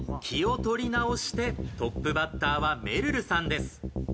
気を取り直してトップバッターはめるるさんです。